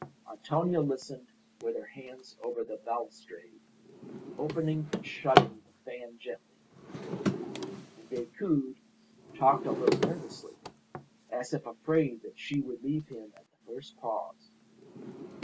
Antonia listened with her hands over the balustrade, opening and shutting the fan gently; and Decoud talked a little nervously, as if afraid that she would leave him at the first pause.